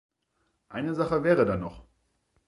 Eine Sache wäre da noch.